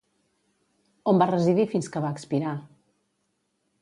On va residir fins que va expirar?